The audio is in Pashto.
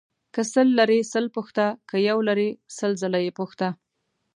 که سل لرې سل پوښته ، که يو لرې سل ځله يې پوښته.